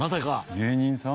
芸人さん？